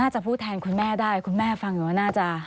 จะพูดแทนคุณแม่ได้คุณแม่ฟังอยู่ว่าน่าจะ